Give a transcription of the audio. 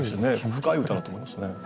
深い歌だと思いますね。